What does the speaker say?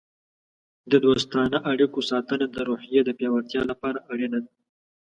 د دوستانه اړیکو ساتنه د روحیې د پیاوړتیا لپاره اړینه ده.